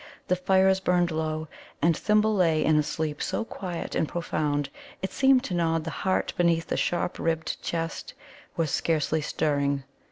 The fires burned low. And Thimble lay in a sleep so quiet and profound it seemed to Nod the heart beneath the sharp ribbed chest was scarcely stirring.